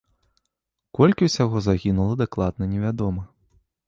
Колькі ўсяго загінула дакладна невядома.